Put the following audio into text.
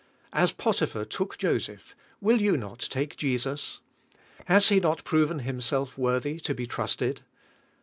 As Potiphar took Joseph, will you not take Jesus? Has He not proven Himself worthy to be trusted?